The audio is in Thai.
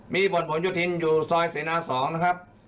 มีบทผลโยธินอยู่ซอยเสนา๒นะครับ